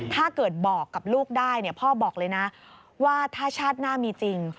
ถ้าเกิดบอกกับลูกได้พ่อบอกเลยนะว่าถ้าชาติหน้ามีจริง